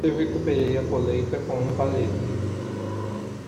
Eu recuperei a colheita com um palete.